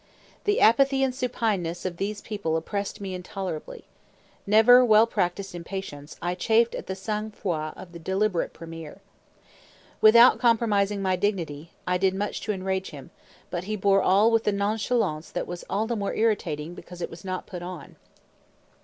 The apathy and supineness of these people oppressed me intolerably. Never well practised in patience, I chafed at the sang froid of the deliberate premier. Without compromising my dignity, I did much to enrage him; but he bore all with a nonchalance that was the more irritating because it was not put on.